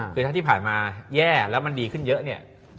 คือถ้าที่ผ่านมาแย่แล้วมันดีขึ้นเยอะเนี่ย